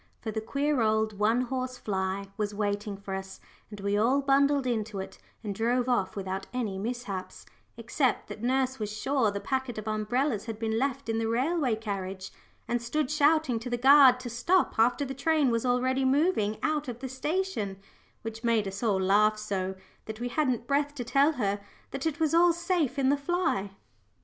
For the queer old "one horse fly" was waiting for us, and we all bundled into it and drove off without any mishaps, except that nurse was sure the packet of umbrellas had been left in the railway carriage, and stood shouting to the guard to stop after the train was already moving out of the station, which made us all laugh so, that we hadn't breath to tell her that it was all safe in the fly.